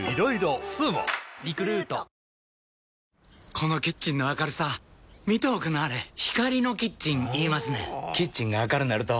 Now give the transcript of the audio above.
このキッチンの明るさ見ておくんなはれ光のキッチン言いますねんほぉキッチンが明るなると・・・